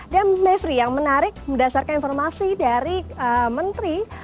dan mavri yang menarik berdasarkan informasi dari menteri